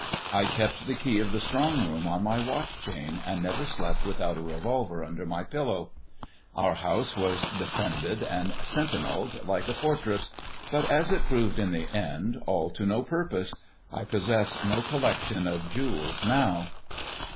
I kept the key of the strong room on my watch chain, and never slept without a revolver under my pillow. Our house was defended and sentinelled like a fortress, but, as it proved in the end, all to no purpose. I possess no collection of jewels now.